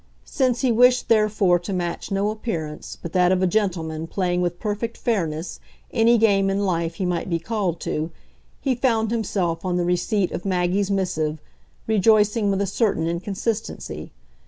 Since he wished therefore to match no appearance but that of a gentleman playing with perfect fairness any game in life he might be called to, he found himself, on the receipt of Maggie's missive, rejoicing with a certain inconsistency.